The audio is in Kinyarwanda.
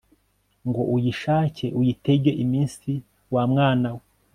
ngo uyishake uyitege iminsi wamwanawe